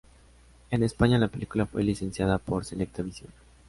En España la película fue licenciada por Selecta Visión.